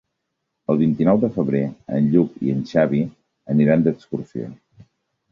El vint-i-nou de febrer en Lluc i en Xavi aniran d'excursió.